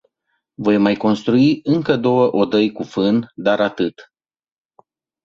Voi mai construi încă două odăi cu fân, dar atât.